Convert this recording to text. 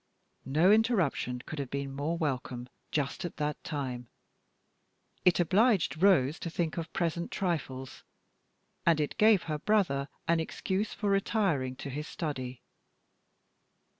No interruption could have been more welcome just at that time. It obliged Rose to think of present trifles, and it gave her brother an excuse for retiring to his study.